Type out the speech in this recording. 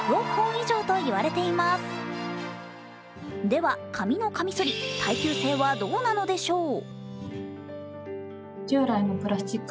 では、紙のカミソリ、耐久性はどうなのでしょう。